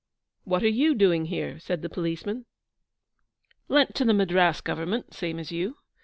'What are you doing here?' said the policeman. 'Lent to the Madras Government, same as you.